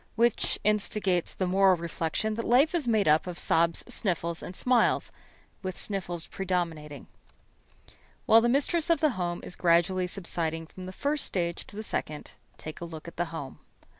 Which instigates the moral reflection that life is made up of sobs, sniffles, and smiles, with sniffles predominating. While the mistress of the home is gradually subsiding from the first stage to the second, take a look at the home.